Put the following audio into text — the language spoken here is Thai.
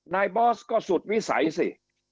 บอสก็สุดวิสัยสิ